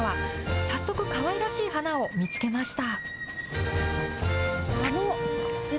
早速、かわいらしい花を見つけました。